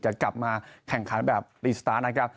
จะกลับมาแข่งขันแบบรีสตาร์ทนะครับ